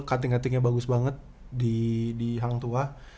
cutting cuttingnya bagus banget di hang tua